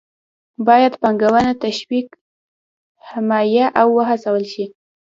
باید پانګونه تشویق، حمایه او وهڅول شي.